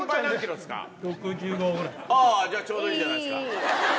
ああじゃあちょうどいいんじゃないですか。